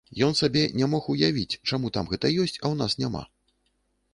Ён сабе не мог уявіць, чаму там гэта ёсць, а ў нас няма.